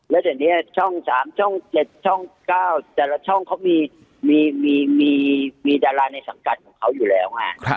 แล้วเดี๋ยวนี้ช่อง๓ช่อง๗ช่อง๙แต่ละช่องเขามีดาราในสังกัดของเขาอยู่แล้วไง